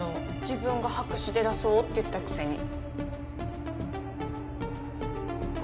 自分が白紙で出そうって言ったくせに。